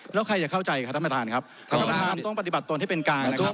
แล้วใครจะเข้าใจครับท่านประธานครับท่านประธานต้องปฏิบัติตนให้เป็นกลางนะครับ